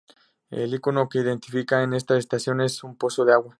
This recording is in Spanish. El ícono que identifica a esta estación es un pozo de agua.